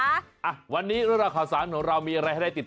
อ่ะวันนี้ราคาสารของเรามีอะไรให้ได้ติดตามบ้างนะ